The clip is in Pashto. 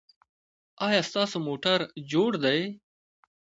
ایا ستاسو موټر جوړ دی؟